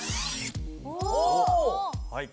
お！